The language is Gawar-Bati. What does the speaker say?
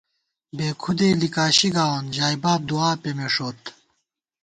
بے کھُدے لِکاشی گاوون ژائے باب دُعا پېمېݭوت